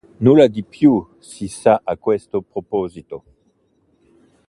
Nulla di più si sa a questo proposito.